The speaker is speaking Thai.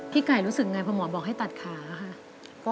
ไก่รู้สึกไงพอหมอบอกให้ตัดขาค่ะ